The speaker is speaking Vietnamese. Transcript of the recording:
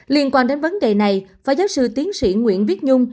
liên quan đến vấn đề này phó giáo sư tiến sĩ nguyễn viết nhung